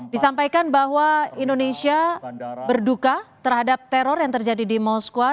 disampaikan bahwa indonesia berduka terhadap teror yang terjadi di moskwa